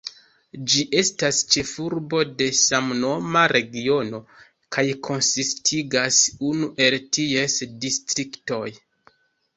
Ĝi estas ĉefurbo de samnoma regiono kaj konsistigas unu el ties distriktoj.